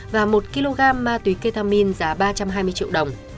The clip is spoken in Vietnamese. và một kg ma túy ketamin giá ba trăm hai mươi triệu đồng